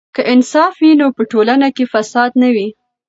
که انصاف وي نو په ټولنه کې فساد نه وي.